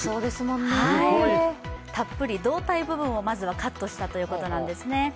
たっぷり胴体部分をまずはカットしたということなんですね。